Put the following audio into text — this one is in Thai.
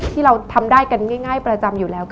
ที่เราทำได้กันง่ายประจำอยู่แล้ว